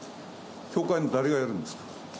教会の誰がやるんですか？